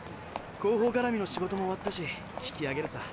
広報がらみの仕事も終わったし引きあげるさ。